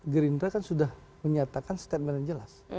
gerindra kan sudah menyatakan statement yang jelas